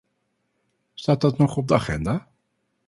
Staat dat nog op de agenda?